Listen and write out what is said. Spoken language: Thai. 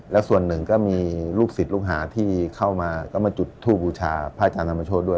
แล้วส่วนหนึ่งก็มีลูกศิษย์ลูกหาที่เข้ามาก็มาจุดทูบบูชาพระอาจารย์ธรรมโชธด้วย